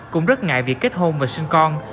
cũng rất ngại việc kết hôn và sinh con